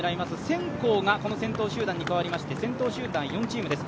センコーがこの先頭集団に変わりまして、先頭集団４チームです。